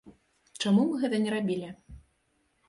Чаму мы гэта не рабілі?